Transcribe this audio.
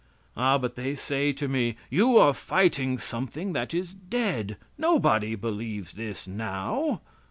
Ah but they say to me: "You are fighting something that is dead. Nobody believes this, now."